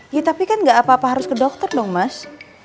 ya tapi kan gak apa apa harus ke dokter dong mas